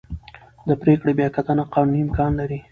د پرېکړې بیاکتنه قانوني امکان لري.